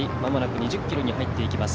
２０ｋｍに向かっています。